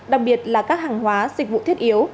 đặc biệt là các hàng hóa dịch vụ thiết yếu